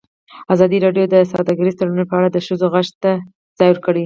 ازادي راډیو د سوداګریز تړونونه په اړه د ښځو غږ ته ځای ورکړی.